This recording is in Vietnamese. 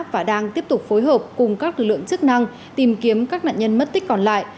và đang tiếp tục phối hợp cùng các lực lượng chức năng tìm kiếm các nạn nhân mất tích còn lại